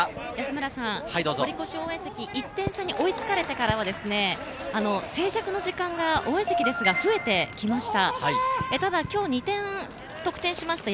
１点差に追いつかれてから静寂の時間が、応援席ですが、増えてきました。